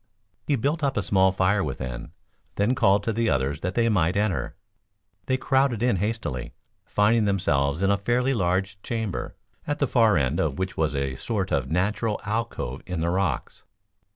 He built up a small fire within, then called to the others that they might enter. They crowded in hastily, finding themselves in a fairly large chamber, at the far end of which was a sort of natural alcove in the rocks.